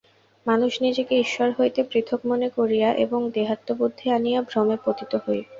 মানুষ নিজেকে ঈশ্বর হইতে পৃথক মনে করিয়া এবং দেহাত্মবুদ্ধি আনিয়া ভ্রমে পতিত হয়।